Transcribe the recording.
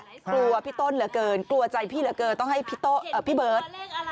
กลัวพี่ต้นเหลือเกินกลัวใจพี่เหลือเกินต้องให้พี่เบิร์ต